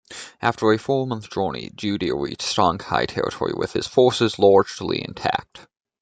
After a four-month journey, Judar reached Songhai territory with his forces largely intact.